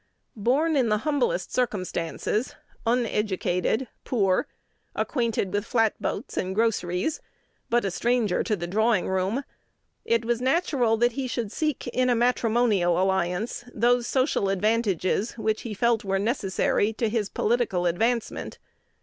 Born in the humblest circumstances, uneducated, poor, acquainted with flatboats and groceries, but a stranger to the drawing room, it was natural that he should seek in a matrimonial alliance those social advantages which he felt were necessary to his political advancement.